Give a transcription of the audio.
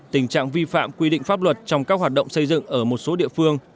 tình trạng vi phạm quy định pháp luật trong các hoạt động xây dựng ở một số địa phương